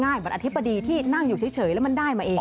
เหมือนอธิบดีที่นั่งอยู่เฉยแล้วมันได้มาเอง